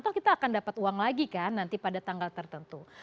toh kita akan dapat uang lagi kan nanti pada tanggal tertentu